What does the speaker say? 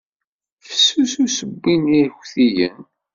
Fessus ussewwi n yirektiyen.